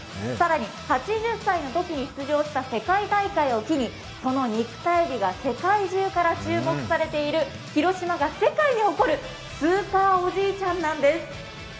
更に８０歳のときに出場した世界大会を機にこの肉体美が世界中から注目されている広島が世界に誇るスーパーおじいちゃんなんです。